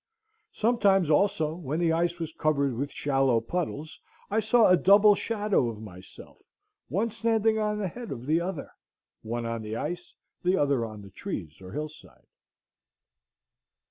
Sometimes, also, when the ice was covered with shallow puddles, I saw a double shadow of myself, one standing on the head of the other, one on the ice, the other on the trees or hill side.